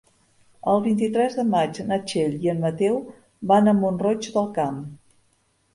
El vint-i-tres de maig na Txell i en Mateu van a Mont-roig del Camp.